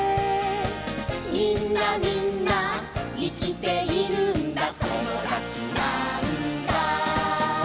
「みんなみんないきているんだともだちなんだ」